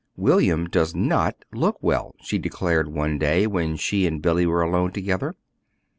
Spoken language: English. "William does NOT look well," she declared one day when she and Billy were alone together.